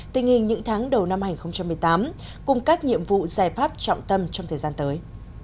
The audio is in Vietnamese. tình hình những tháng đầu năm hai nghìn một mươi tám cùng các nhiệm vụ giải pháp trọng tâm trong thời gian tới